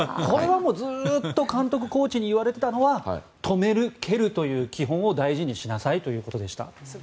ずっと監督やコーチに言われていたのは止める、蹴るという基本を大事にしなさいということでした。